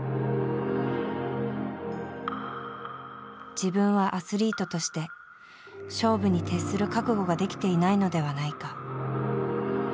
自分はアスリートとして勝負に徹する覚悟ができていないのではないか。